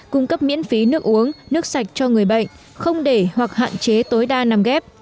cung cấp miễn phí nước uống nước sạch cho người bệnh không để hoặc hạn chế tối đa nằm ghép